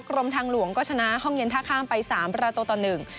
กรมทางหลวงก็ชนะห้องเย็นท่าข้ามไปสามประตูต่อหนึ่ง